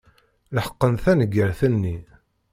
Leḥqen taneggart-nni.